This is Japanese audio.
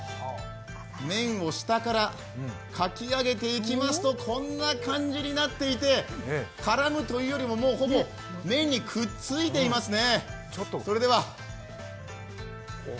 麺を下からかき上げていきますと、こんな感じになっていて、絡むというよりもほぼ麺にくっついていますね。